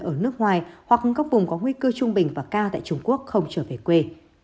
ở nước ngoài hoặc các vùng có nguy cơ trung bình và ca tại trung quốc không trở về quê